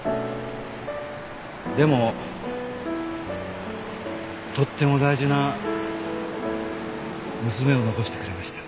でもとっても大事な娘を残してくれました。